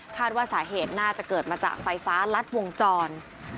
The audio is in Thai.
ว่าสาเหตุน่าจะเกิดมาจากไฟฟ้ารัดวงจร